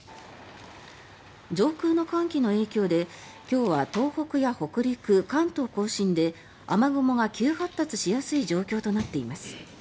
上空の寒気の影響で今日は東北や北陸関東・甲信で雨雲が急発達しやすい状況となっています。